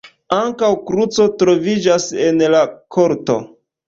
Ankaŭ kruco troviĝas en la korto.